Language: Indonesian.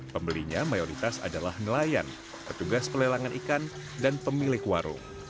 pembelinya mayoritas adalah nelayan petugas pelelangan ikan dan pemilik warung